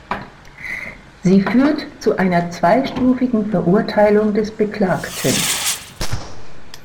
Sie führt zu einer zweistufigen Verurteilung des Beklagten.